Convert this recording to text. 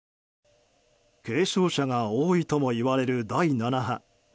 軽症者が多いともいわれる第７波。